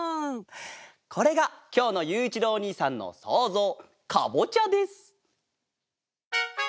これがきょうのゆういちろうおにいさんのそうぞうかぼちゃです！